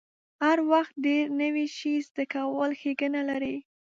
هر وخت ډیر نوی شی زده کول ښېګڼه لري.